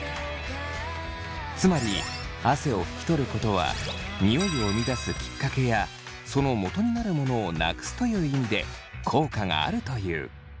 つまり汗を拭き取ることはニオイを生み出すきっかけやそのもとになるものをなくすという意味で効果があるという。